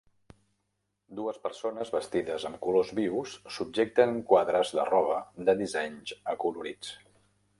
Dues persones vestides amb colors vius subjecten quadres de roba de dissenys acolorits.